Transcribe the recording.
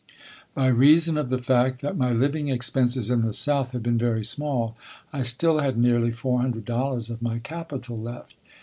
By reason of the fact that my living expenses in the South had been very small, I still had nearly four hundred dollars of my capital left.